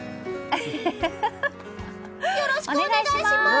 よろしくお願いします！